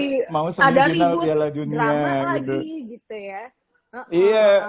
lama lagi gitu ya